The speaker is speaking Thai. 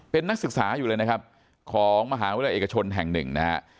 เป็นนักศึกษาอยู่เลยนะครับของมหาวิทยาลัยเอกชนแห่งหนึ่งนะฮะ